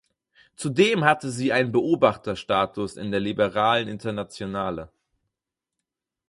Zudem hatte sie einen Beobachterstatus in der Liberalen Internationale.